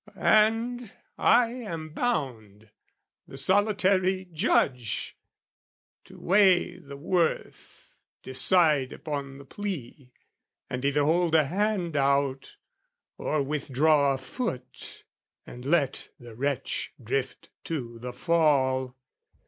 And I am bound, the solitary judge, To weigh the worth, decide upon the plea, And either hold a hand out, or withdraw A foot and let the wretch drift to the fall.